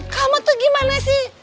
kamu tuh gimana sih